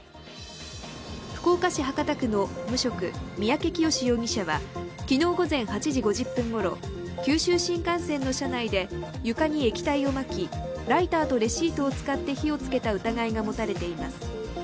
福岡市博多区の無職、三宅潔容疑者は昨日午前８時５０分ごろ九州新幹線の車内で床に液体をまきライターとレシートを使って火をつけた疑いが持たれています。